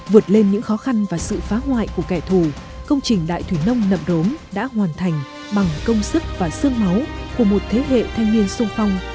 vượt lên những khó khăn và sự phá hoại của kẻ thù công trình đại thủy nông nậm rốm đã hoàn thành bằng công sức và sương máu của một thế hệ thanh niên sung phong